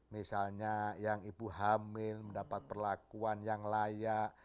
misalnya yang ibu hamil mendapat perlakuan yang layak